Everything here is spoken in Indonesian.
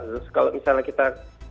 terus kalau misalnya kita